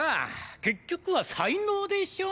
結局は才能でしょ？